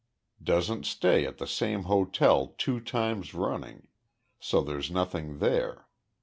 Doesn't stay at the same hotel two times running, so there's nothing there.